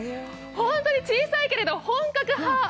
本当に小さいけれど本格派。